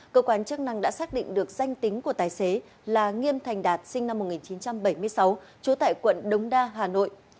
cơ quan chức năng đã xác định được danh tính của tài xế là nghiêm thành đạt sinh năm một nghìn chín trăm bảy mươi sáu trú tại quận đống đa hà nội